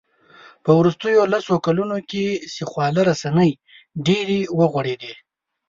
په وروستیو لسو کلونو کې چې خواله رسنۍ ډېرې وغوړېدې